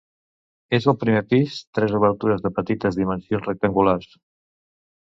En el primer pis, tres obertures de petites dimensions rectangulars.